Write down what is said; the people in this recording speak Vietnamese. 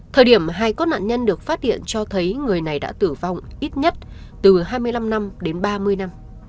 thời điểm hai cốt nạn nhân được phát hiện cho thấy người này đã tử vong ít nhất từ hai mươi năm năm đến ba mươi năm